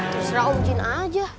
terserah om jin aja